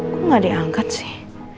kok gak diangkat sih